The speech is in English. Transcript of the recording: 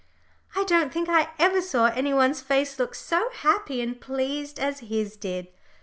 I don't think I ever saw any one's face look so happy and pleased as his did!